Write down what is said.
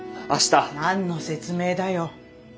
何の説明だよ。